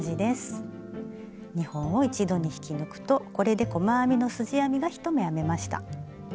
２本を一度に引き抜くとこれで細編みのすじ編みが１目編めました。